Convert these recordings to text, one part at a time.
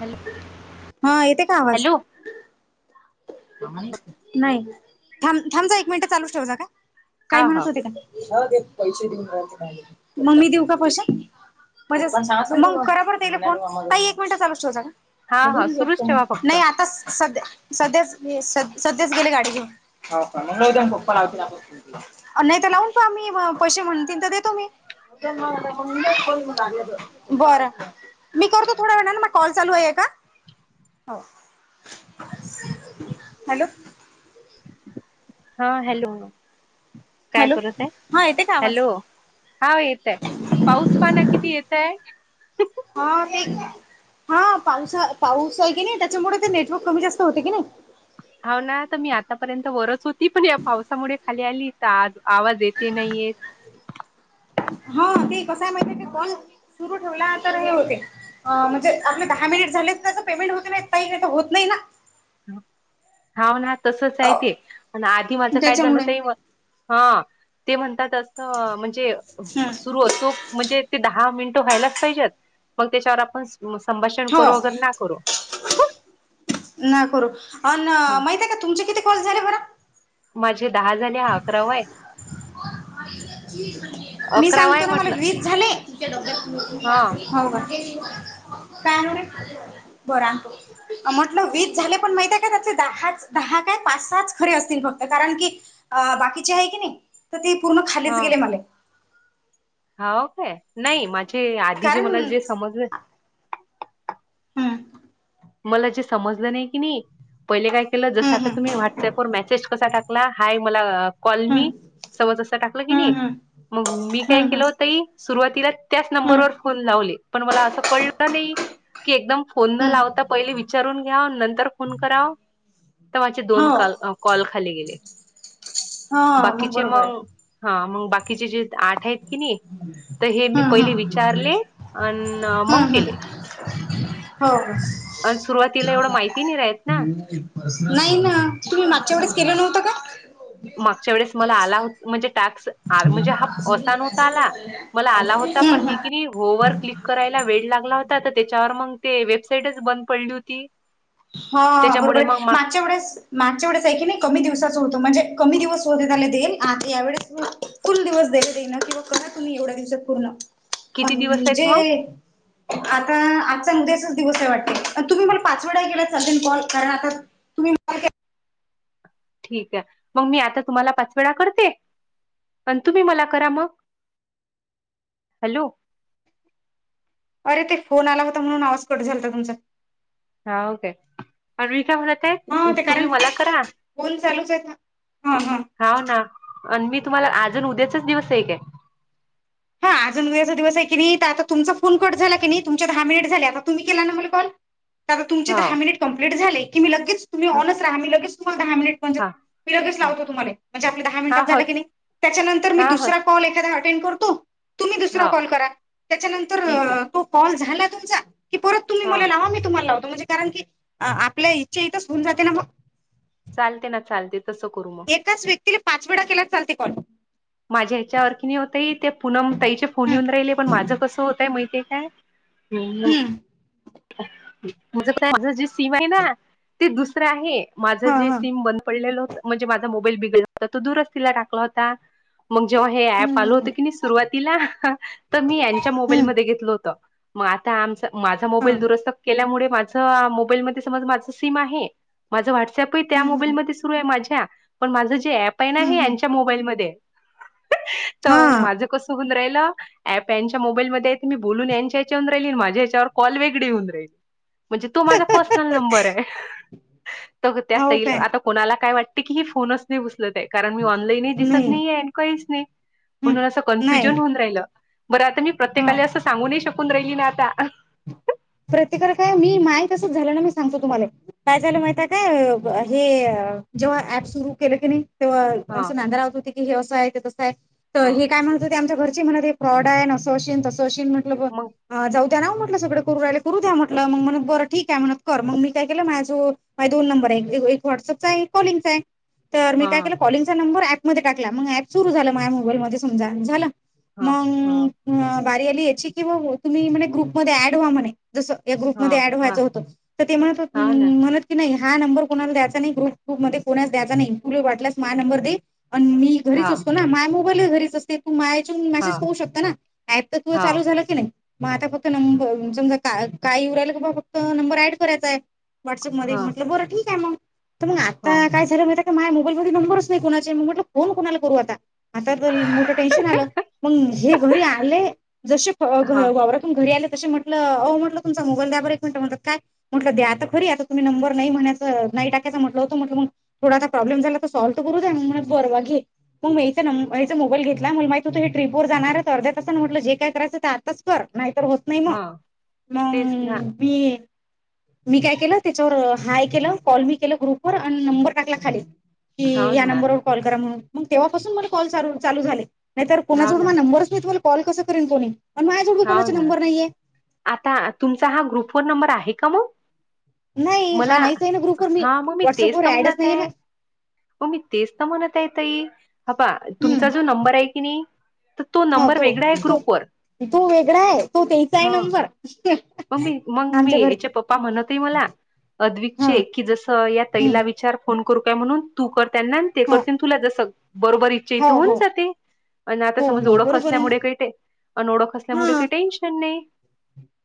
Hello हा येते का आवाज हॅलो नाही थांब जा एक मिनिटं चालूच ठेव जा का काही हा म्हणत हा होते का न देत पैसे देऊन राते मग मी देऊ का पैसे म्हणजे मग करा परतले फोन काही एक मिनिट ताई चालूच ठेवता हा हा सुरूच ठेवा फक्त नाही आता सध्या सध्या सध्याच गेले गाडी घेऊन पाप्पा लावून तर लावून पहा मी पैसे म्हणते तर देतो मी बरं मी करतो थोड्या वेळाला मग कॉल चालू आहे का [unintelligible] हो हॅलो हा हॅलो काय हॅलो करत आहे हा येते का आवाज? हॅलो हा येतय पाऊस पाना किती येत ते हा ते हा पाऊसा पाऊस आहे की नाही त्यांच्यामुळे तर नेटवर्क कमी जास्त होते की नाही हो ना तर मी आतापर्यंत वरत होती पण या पावसामुळे खाली आली तर आ आवाज येते नाही [unintelligible] ह ते कसय माहि आहे ते पण सुरू ठेवला तर हे होते म्हणजे आप दहा डिलीट झालेल तेज पेमेंट वगेरे येत नाही असे होत नाही ना हा ना तसच आहे ते प आधी माझं काय जण त्याच्यामुळे ते म्हणतात असं म्हणजे हम्म सुरू सो म्हणजे ते दहा मिनिट तो व्हाला पाहिजे मग त्या आप संभाषण हो करो अगर ना करो ना करू अ माहित आहे का तुमचे किती कॉल झाले बर े दहा जणे हा अकरावा आहे मी अकरावा आहे सांगतो ना मला म्हटलं व्रीज झाले हा हो ग बरा म्हटलं वीस झाले पण माहिती आहे. का, त्यातले दहा काय पाच सहाच खरे असतील बग कारण की, अ बाकीचे आहे की नाही तर ते पूर्ण खालीच गेले मले हो, काय नाही माझे आधी जे कारण मला जे समजलं हम्म मला जे समजलं नाही कि नी पहिले काय केलं जस आता हम्म तुम्ही व्हॉटसअपवर मेसेज कसा टाकला हाय मला कॉल हम्म मी तवा जस टाकलं की नाही हम्म हम्म मग मी हम्म काय हम्म हम्म केलं हो ताई सुरुवातीला त्याच हम्म नंबरवर फोन लावले पण मला असं कळलं नाही की एकदम, फोन न हम्म लावता पहिले विचारून घ्या नंतर फोन कराव. तर माझे दोन हो कॉल खाली गेले. हा बाकीचे बरोबर आहे. मग हा मग बाकीचे जे आठ आहेत कि नी तर हे मी हम्म पहिले हम्म विचारले आण मग हम्म केले. हम्म हो अ सुरुवातीला एवढं माहिती नाही राहत ना नाही ना तुम्ही मागच्या वेळेच ह केलं नव्हतं का मागच्या वेळेस मला आला म्हणजे टास्क म्हणजे हम्म असा नव्हता आला मला आला होता पण हम्म मी की नाही होमवर्क क्लिक करायला वेळ लागला हो त्याच्यावर मग ते वेबसाईटच बंद पडली होती हा बरोबर त्याच्यामुळे आहे मग मग मागच्या व्यास मागच्या वेळेस आहे की नाही कमी दिवसाच होतो म्हणजे कमी दिवस शोधले देईल. आता यावेळेस कुल दिवस देईल दे किंवा करा तुम्ही एवढ्या दिवसात पूर्ण किती दिवस आहेत म्हणजे मग आता द्याच दिवस आहे वाटत तुम्ही मला पाच वेळा केलात ना कॉल कारण आता तुम्ही मग ठीक आहे. मग मी आता तुम्हाला पाच वेळा करते. पण तुम्ही मला करा मग हॅलो, अरे ते फोन आला होता. म्हणून आवाज कट झालता तुमचा हा ओके हा ते तुम्ही कारण मला करा फोन चालूच आहेत ना हा हा हवं ना आणि मी तुम्हाला अजून उद्याचच दिवस एक आहे. हा अजून उदयाचा दिवस आहे की नाही, तर आता तुमचा फोन कट झाला की नाही तुमच्या दहा मिनिट झाले. आता तुम्ही केला ना मला कॉल आता तुमचे हो दहा मिनिट कंप्लेंट झाले. की मी लगेच तुम्ही हा ऑनच राहा मी लगेच तुहाला दहा मिनिट म्हणजे, हा मी लगेच लावतो तुम्हाला, म्हणजे आपल्या दहा हा मिनटात हो झालं की नाही. त्याच्यानंतर मी हा हो दुसरा कॉल एखादा मी करतो तुम्ही दुसरा हो कॉल करा त्याच्यानंतर ठीक आहे तो कॉल झाला तुमचा, की परत तुम्ही हा मला लावा मी तुम्हाला लावतो म्हणजे कारण की आपल्या इच्छा इथच होऊन जाते ना मग. चालते ना चालते. तसं करू मग. एकाच व्यक्तीला पाच वेळा केला चालते कॉल माझ्या हेच्या वरती हो ताई ते पुनम ताईचे फोन हम्म येऊन राहिले पण माझं कसं होतय माहिती काय, ह हम्म म्हणजे माझं जे सीम आहे ना ते दुसरं आहे. माझं हा जे हा सिम बंद पडलेलं होत, म्हणजे माझा मोबाईल बिघडला होता तो दुरस्तीला टाकला होता. मग जेव्हा हे ऍप हम्म आल होतं हम्म की नाही सुरुवातीला तर मी यांच्या हम्म मोबाईलमध्ये घेतलं होत. मग आता आमचा माझा हा मोबाईल दुरुस्त केल्यामुळे, माझं मोबाईल मध्ये समज माझं सिम आहे. माझं वॉट्स अँप त्या हम्म मोबाईल हम्म मध्ये सुरू आहे. माझ्या त्या पण माझं जे ऍप आहे, ना हम्म हे हम्म यांच्या मोबाईल मध्ये आहे. तर मग हा माझं कसं होऊन राहील अँप यांच्या मोबाईल मध्ये मी बोलून यांच्या याच्यावरून राहिली माझ्या ह्याच्यावर कॉल वेगडी होऊन राहिले म्हणजे तो माझा पर्सनल नंबर आहे त त्या हो तल काय आता कोणाला काय वाटत ही फोनस कारण मी ऑनलाईन दिसत नाही नाहीे काहीच नाही म्हणून असं हम्म नाही कन्फ्युजन होऊन राहिलं. बरं आता मी हा प्रत्येकाला असं सांगून नाही शकून राहिली ना आता प्रत्येकाला काय मी माय कसंच झालं ना मी सांगतो तुम्हाले काय झालं माहित आहे काय? हे जेव्हा ऍप सुरू केलं की नाही तेव्हा हा अस नांदा लावत हो हे असं आहे ते तसं आहे तर हा हे काय म्हणत ते आमच्या घरची म्हणत होती की हे फ्रॉड आहे असं अशीन म्हट मग जाऊ द्यानव म्हटलं सगळं करू राहिले करू द्या म्हटलं मग बरं ठीक आहे म्हण कर मग मी काय केलं मायाझो माये दोन नंबर हाय एक वड चा एक कोलिंगचा आहे. तर मी हा काय केलं कॉलिंगचा नंबर ऍपमध्ये टाकला मग ऍप सुरू झाल माझ्या मोबाईलमध्ये समजा झालं. हा हा मग बारी आली याची कि म तुम्ही ग्रुपमध्ये ऍड वा म्हणे जस या हा ग्रुपमध्ये ऍड हा व्हायचं होतं तर ते म्हण हा ना म्हणत की नाही हा नंबर कोणाला द्यायचा नाही ग्रुप मध्ये कोणाला द्याचा नाही तुले वाटल्यास म्या नंबर दे आणि मी घरीच हा असतो ना माय मोबाईल घरीच असते तू माय तू हा मेसेज पाहू शकत ना अँप त तूवा हा चालू झालं की नाही मग आता फक्त नम समजा काय कायऊ राहिला गा बा फक्त नंबर ऍड करायचाय आहे व्हॉट्सअप मध्ये हा म्हटलं बरं ठीक आहे मग. तर मग हा आता काय झालं, माझ्या मोबाईल मध्ये नंबरच नाही कुणाचे मग म्हटलं फोन कणाला करू आता, आता तर मोठं टेन्शन आलं मग हे घरी आले जसे हा वावरातून घरी आले तस म्हटल ओ म्हटलं तुमचा मोबाईल द्यार एक मिनट म्हट काय? म्हटलं! द्या आता खरी आता तुम्ही नंबर नाही म्हणायं नाही टा म्हटलं होतं म्हट मग थोडा प्रॉब्लेम झाला तर सॉल्व करू द्या मग बरंघे मग मीचा नंचां मोबाईल घेतला मग माहि तु हे ट्रीपवर जाणार आहे तर अध्या तासान म्हट जे काय करायं ते आताच कर नाहीतर होत नाही मग हा तेच ना मग मी मी काय केलं त्याच्यावर हाय केलं कॉल मी केलं ग्रुप व आणि नंबर टाकला खाले. कि हाव या ना नंबरवर कॉल करा म्हणून मग तेव्हापासून मग कॉल चालू झाले नाही तर हाव कोणाजवड ना मग नंबरच मी तुम्हाला कॉल कस करेन कोणी पण माझजवड बी हाव कोणाचे ना नंबर नाहीे हाय. आता तुमचा हा ग्रुप फोन नंबर आहे का? मग नाही हा मला नाहीच आहे ना ग्रुपवर हा मग मी तेच व्हॉट्सअपवर त ऍडच म्हणत नाहीये आहे. ना हो मी तेच तर म्हणत आहे ताई हपा तुमचा जो नंबर आहे की नाही तर तो हा नंबर वेगळा आहे ग्रुपवर तो-तो-तो वेगळा आहे तो त्यांचा आहे हा नंबर मग मी मग मी आमच्या घर याचे पप्पा म्हणतही मला अद्विक हा चे की जस या हम्म ताईला विचार फोन करू काय म्हणून तू करताना ते हा करते तुला जस बरोबर इच्छा हो इथं होऊन हो जाते. आणि आता हो समज हो ओळख बरोबर आहे असल्यामुळे काही ते आणि ओळख ना असल्यामुळे हा काही टेन्शन नाही.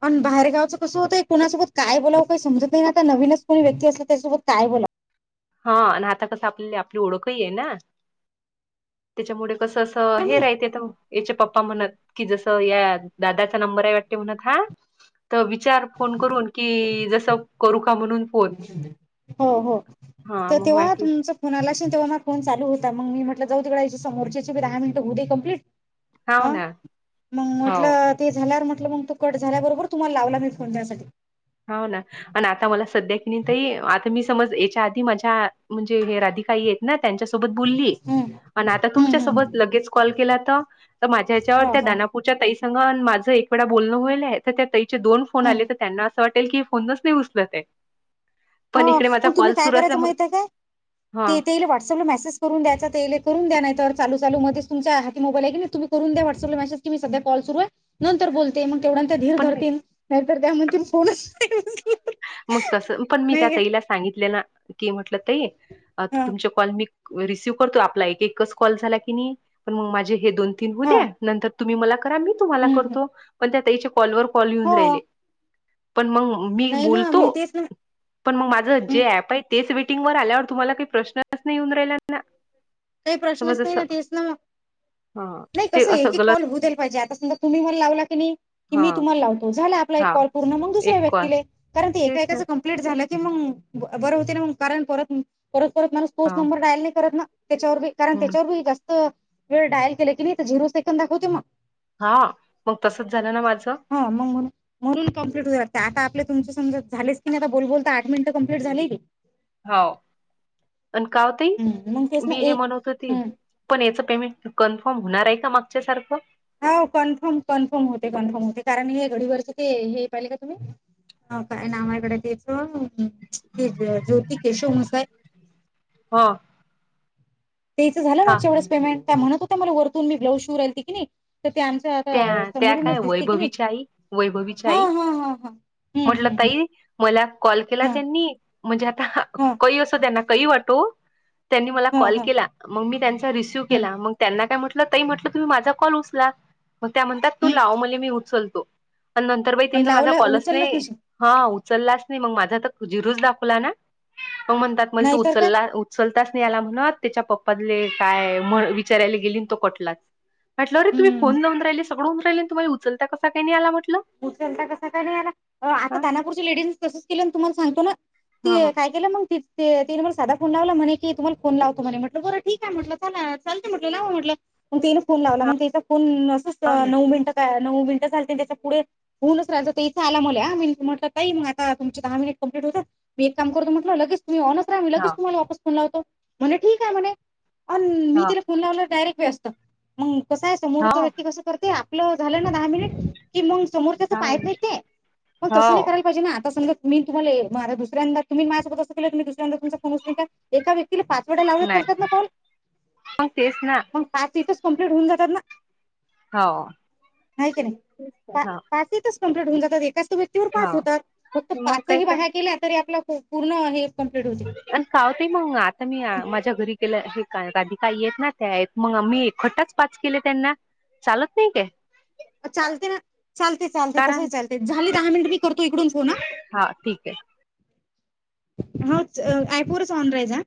पण बाहेरगावचं कसं होतंय कुणासोबत काय बोलावं काय समजत नाही आता नवीनच कोणी व्यक्ती असला त्यासोबत काय बोलावं हा आणि आता कस आपल्या आपली ओळखही आहे ना? त्याच्यामुळे कसं असं हे मी राहते याच्या पप्पा म्हणत की जसं या दादाचा नंबर आहे वाटत ते म्हणत ह्या त विचार फोन करून की जस करू का म्हणून फोन हो-हो हा तर मग तेव्हा माहिती तुमचा फोन तेव्हा मग फोन चालू होता मग मी म्हट जाऊदे गडया तिकडे समोरच्याचे बी दहा मिनट होऊदे कंप्लीट हाव ह ना मग हो म्हटलं ते झाल्या म्ह मग तो कट झाल्या बरोबर तुम्हाला लावला मी फोन त्यासाठी हो ना आणि आता मला सध्या कि नाही ताई आ तर मी समज याच्या आधी माझ्या म्हणजे हे राधिका आई आहेत ना त्यांच्यासोबत बोलली हम्म आणि आता हम्म तुमच्या सोबत हम्म लगेच कॉल केला तर तर माझ्या ह्याच्यावर हो त्या हो दानापूरच्या ताई - सांग माझं एक वेळा बोलणं होईलय आहे तर त्या ताईचे दोन फोन हम्म आले तर त्यांना असं वाटेल की फोनच नाही उचलत आहे. हा पण इकडे माझा मग तुम्ही कॉल काय सुरू करायचं असल्यामुळे माहितय काय? ते हां. तेला व्हॉट्सअपला मेसेज करून द्यायं ते करून द्या नाही तर. चाल चाल मग ते तुमच्याी मोबाईल आहे की तम्ही करून द्या्हॉट्अपला मेसेज कीध्या कॉल सुर आहे नंतर बोलते मग. तेवढ्या त्या धीर पण मी धरतील नाहीतर त्या म्हणतील कोणच. मग तस पण मी त्या तईला सांगितले ना की म्हटलं तई हा तुमच्या कॉल मी. रिसिव्ह करतो आपला एक एकच कॉल झाला की नाही पण मग माझे हे दोन तीन होऊ हा दे्या नंतर. तुम्ही मला करा मी तुम्हाला हम्म करतो पण त्या त्याईच्या कॉलवर कॉल येेऊन हो राहिले. पण मग मी नाही ना बोलतो मी तेच ना पण मग माझ जे ऍप आहे तेच. ीटिंग वर आल्यावर तुम्हाला काही प्रश्नच नाही येऊन राहिला ना... काही तर मग प्रश्नच नाही जसं ना तेच ना मग.. हा नाही ते कसं असं एकी कॉल गलत होतीलईल पाहिजे आता समजा तुम्ही मला लावला.. ी हा मी तुम्हाला लावतो झाला आप एक हा कॉल पूर्ण मग दुसऱ्या एक कॉल व्यक्ती कारण ते तेच ना एकाकाच क्ट झा.. मग बरं होते ना म कारण परत परत परत माला तोच हा नंबर डायल नाही करत ना.. त्याच्यावरी कारण त्याच्यावरी जास्त वेळ डायल केला की नाही झिरो सेकड दाखवते मग हा मग तसच झालं ना माझं ह मग म्हणून कंप्लीट होते आता तुमच्या समजा झालेच की नाही आ बोल बोलता आठ मिनटं कंप्लीट झाले की हो आणि का हो ताई हम्म मग तेच ना मी हे एक म्हणत होते हम्म पण याच पेमेंट कन्फर्म होणार आहे का मागच्यासारखं हो कन्फर्म कन्फर्म होते कन्फर्म होते कारण हे घडीवरचे ते हे पाहिले का तुम्ही ह काय नावाकडे त्याच ज्योती केशव मसाय. हा. तेचं झा नागेवंच पेमेंट त्या म्हणत होत्या मला वरतून मी ब्लाउज शव राल की नाही. तर ते आमचं आता त्या त्या काय समोरूनच दिसते की नाही वैभवीची आई वैभवीची हा आई हा हा हा. हम्म म्हटलं हम्म हम्म ताई मला कॉल केला हा त्यांनी म्हणजे आता हा कही असं त्यांना.. वाट त्यांनी म हा कॉल हा केला म मी त्यांिसव हम्म केला म त्यांय.. त म्हटलं तुम्ही माझा कॉल उचला मग त्या म्हणतात तू हम्म लाव म्हण मी उचलतो.. आणि नंतर बा त माझा लावला कॉलस उचललाच नाही नशील हा.. उचलला नाही मग माझा तर जिरूच दाखवला ना म म्हणतात म नाहीतर काय तूचल.. ताच नाही आला म्हणत त्याच्या पप्पले काय विचारायला गेली तो कटलाच.. हम्म [inaudible] [inaudible] हा ह ते काय केलं मग त ते तिने मला साधा फोन लावला म्हणे की तुम्हाला फोन लावतो म्हणे म्हटलं बरं ठीक आहे म्हटलं चला चालं म्हटलं लाव म्हटलं मग तिने फोन लावला मग त्याचा फोन असंच हो ना नऊ मिनिटं काय नऊ मिनटं झाल त्याच्या पुढे होूनच राय इथ आला म म्हटलं त मग आता तुमची दहा मिनिट कंप्लीट होतात मी एक काम करतो म्हटलं लगेच तुम्ही ऑनरस रा लगेच तुम्हाला वापस फोन लावतो म्हणे ठीक आहे म्हणे अ मी हो तिला फोन लावला डायरेक्ट कस आहे समोर हो व्यक्ति कस करते आपलं झालं ना दहा मिनिट क समोर त्याच हो पाईप नाहीे पण तंस नाही हो करायला पाहिजे ना आता समजा मी तुम्हाला म दुसऱ्या तुमी माझ सोबत अस तरी दुस्यांदा तुमम का एका व्यती तिला पाच वडा लावड नाही चालतात ना कॉल मग तेच ना मग पाच इथ कंप्लीट होऊन जातात ना, हाव. च कप्ट होऊ जातात एकाच व्यक्तीवर पाच होतात फक्त मग काय पाचही बा तर केल्या तरी आपला हो पूर्ण आहे आणि काहो ताई मग आता मी माझ्या घरी हे का आधी काही येत ना त्या मग मी एकखटाच पाच केले त्यांना चालत नाही काय? चालते ना चालते चालते तस कारण चालते झाले दहा मिनिट मी करतो इकडून फोन हा ठीक हें हो एपवरच ऑन राहायचं हं ‌